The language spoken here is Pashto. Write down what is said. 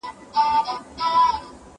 قنلدر ته په زاريو غلبلو سو